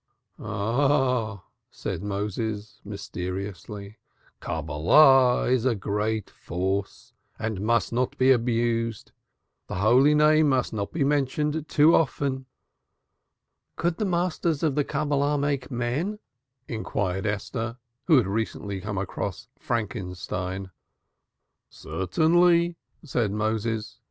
"Oh," said Moses mysteriously. "Cabalah is a great force and must not be abused. The Holy Name must not be made common. Moreover one might lose one's life." "Could the Masters make men?" inquired Esther, who had recently come across Frankenstein. "Certainly," said Moses.